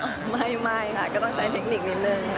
นิดหนึ่งน่ะ